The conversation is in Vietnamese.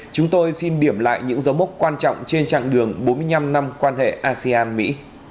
chúng tôi xin điểm lại những dấu mốc quan trọng trên chặng đường bốn mươi năm năm quan hệ asean mỹ